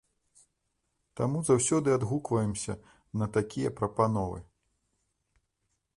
Таму заўсёды адгукваемся на такія прапановы.